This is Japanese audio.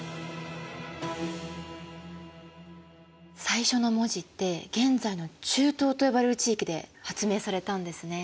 最初の文字って現在の中東と呼ばれる地域で発明されたんですね。